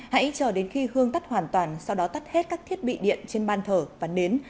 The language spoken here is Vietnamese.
hãy chờ đến khi hương tắt hoàn toàn sau đó tắt hết các thiết bị điện trên ban thở và nến